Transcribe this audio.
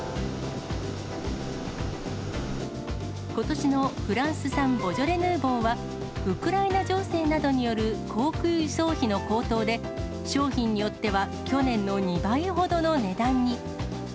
ことしのフランス産ボジョレ・ヌーボーは、ウクライナ情勢などによる航空輸送費の高騰で、商品によっては去年の２倍ほどの値段に。